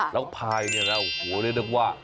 แล้วภายนี้นะโอ้โฮเลยนึกว่า